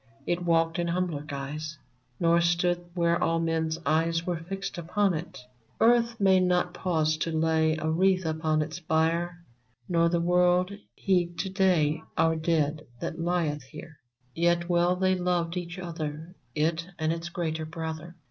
It walked in humbler guise, Nor stood where all men's eyes Were fixed upon it. Earth may not pause to lay A wreath upon its bier, Nor the Avorld heed to day Our dead that lieth here ! Yet well they loved each other — It and its greater brother.